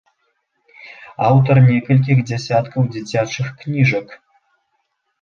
Аўтар некалькіх дзясяткаў дзіцячых кніжак.